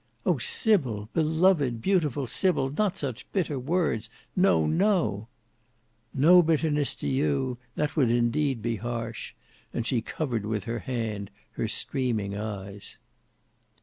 "O! Sybil, beloved, beautiful Sybil—not such bitter words; no, no!" "No bitterness to you! that would indeed be harsh," and she covered with her hand her streaming eyes.